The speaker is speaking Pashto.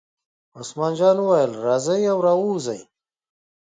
عثمان جان وویل: راځئ را ووځئ.